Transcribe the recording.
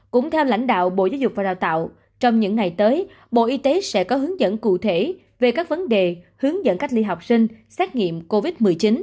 cũng theo lãnh đạo bộ giáo dục và đào tạo trong những ngày tới bộ y tế sẽ có hướng dẫn cụ thể về các vấn đề hướng dẫn cách ly học sinh xét nghiệm covid một mươi chín